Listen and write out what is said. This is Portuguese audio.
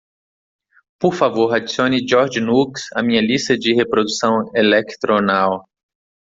por favor adicione george nooks à minha lista de reprodução electronow